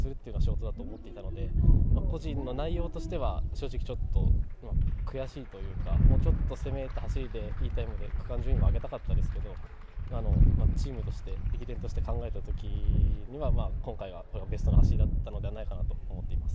個人の内容としては、正直、ちょっと悔しいというかもうちょっと攻めた走りでいいタイムで区間順位を上げたかったですけど、チームとして駅伝とした考えた場合には今回はベストな走りではなかったかなと思います。